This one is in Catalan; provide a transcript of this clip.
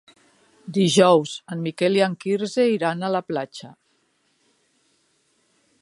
Dijous en Miquel i en Quirze iran a la platja.